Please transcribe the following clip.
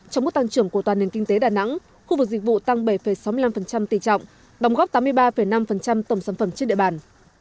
trong mức tăng trưởng của toàn nền kinh tế đà nẵng khu vực dịch vụ tăng bảy sáu mươi năm tỷ trọng đóng góp tám mươi ba năm tổng sản phẩm trên địa bàn